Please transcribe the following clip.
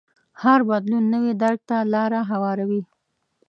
هر بدلون نوي درک ته لار هواروي.